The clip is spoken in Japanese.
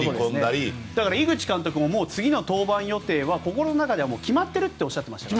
井口監督も次の登板予定は心の中では決まってるとおっしゃってましたね。